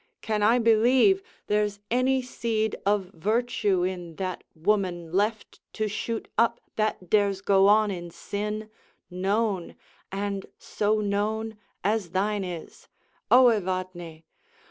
Can I believe There's any seed of virtue in that woman Left to shoot up that dares go on in sin Known, and so known as thine is? O Evadne!